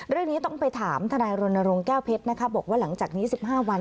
เรื่องนี้ต้องไปถามทนายรณรงค์แก้วเพชรนะคะบอกว่าหลังจากนี้๑๕วัน